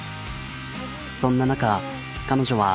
そんな中彼女は。